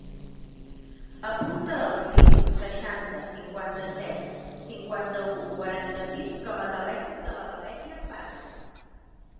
Apunta el sis, seixanta, cinquanta-set, cinquanta-u, quaranta-sis com a telèfon de la Valèria Padin.